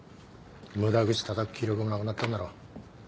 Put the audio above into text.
無駄口たたく気力もなくなったんだろ。